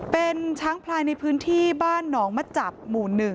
เป็นช้างพลายในพื้นที่บ้านหนองมาจับหมู่๑